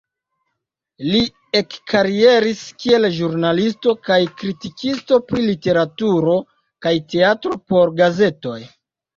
Li ekkarieris kiel ĵurnalisto kaj kritikisto pri literaturo kaj teatro por gazetoj.